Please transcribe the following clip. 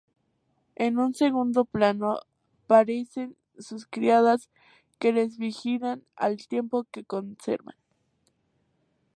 En un segundo plano aparecen sus criadas que les vigilan al tiempo que conversan.